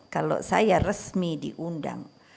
kalau saya resmi diundang